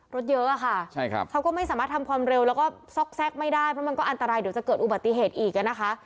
รถเยอะอะค่ะใช่ครับเขาก็ไม่สามารถทำความเร็วแล้วก็ซอกแทรกไม่ได้เพราะมันก็อันตรายเดี๋ยวจะเกิดอุบัติเหตุอีกอ่ะนะคะ